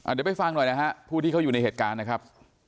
เดี๋ยวไปฟังหน่อยนะฮะผู้ที่เขาอยู่ในเหตุการณ์นะครับ